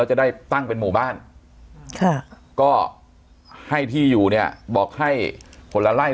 จะได้ตั้งเป็นหมู่บ้านค่ะก็ให้ที่อยู่เนี่ยบอกให้คนละไล่